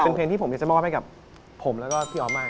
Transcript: เป็นเพลงที่ผมอยากจะมอบให้กับผมแล้วก็พี่อ๊อฟมาก